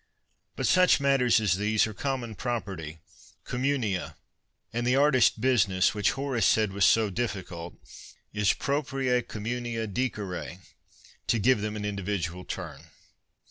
But such matters as these are common property, communia, and the artist's business, which Horace said was so difficult, is proprie comiminia dicere, to give them an individual turn.